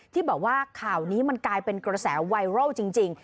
ที่บอกว่าข่าวนี้มันกลายเป็นกระแสไวรัลจริง